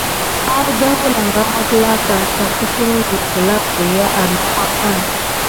Arga wəlanga mekklakan ka kəssengen gla berya an moka si.